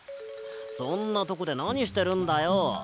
そんなとこでなにしてるんだよ。